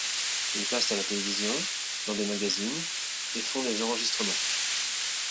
Ils passent à la télévision, dans des magazines, et font des enregistrements.